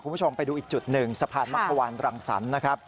คุณผู้ชมไปดูอีกจุดหนึ่งสะพานมักขวานรังสรรค์นะครับ